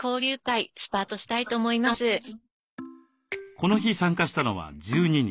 この日参加したのは１２人。